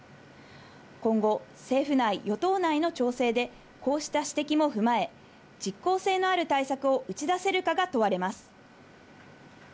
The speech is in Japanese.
今後、政府内、与党内の調整で、こうした指摘も踏まえ、実効性のある対策を打ち出せるかが問われます。